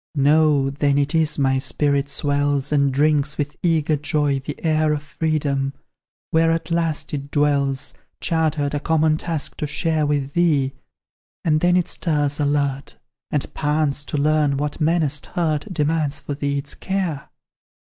Know, then it is my spirit swells, And drinks, with eager joy, the air Of freedom where at last it dwells, Chartered, a common task to share With thee, and then it stirs alert, And pants to learn what menaced hurt Demands for thee its care.